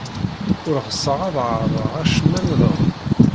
Ur ɣseɣ ad ɛerḍeɣ acemma niḍen.